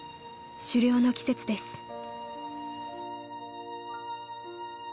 狩猟の季節です］